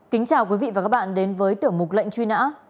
kính chào quý vị và các bạn đến với tiểu mục lệnh truy nã